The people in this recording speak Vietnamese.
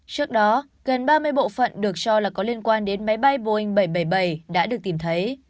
trước đó gần ba mươi bộ phận được cho là có liên quan đến máy bay boeing bảy trăm bảy mươi bảy đã được tìm thấy